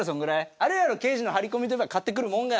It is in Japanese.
あるやろ刑事の張り込みといえば買ってくるもんが。